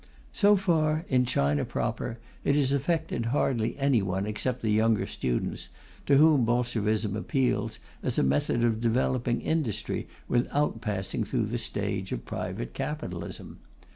So far, in China proper, it has affected hardly anyone except the younger students, to whom Bolshevism appeals as a method of developing industry without passing through the stage of private capitalism.